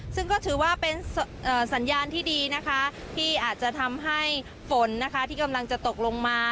ซึ่งก็ถือว่าเป็นสัญญาณที่ดีนะคะที่อาจจะทำให้ฝนนะคะที่กำลังจะตกลงมา